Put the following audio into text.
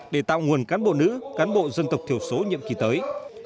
để tạo nguồn cán bộ nữ cán bộ dân tộc thiểu số nhiệm kỳ tới